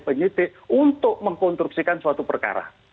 penyidik untuk mengkonstruksikan suatu perkara